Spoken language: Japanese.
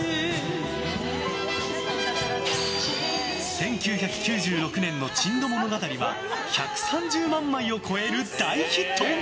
１９９６年の「珍島物語」は１３０万枚を超える大ヒット。